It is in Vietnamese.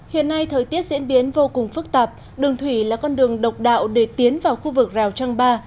hiện nay thời tiết diễn biến vô cùng phức tạp đường thủy là con đường độc đạo để tiến vào khu vực rào trăng ba